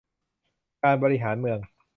การบริหารเมือง